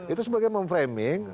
itu sebagai memframing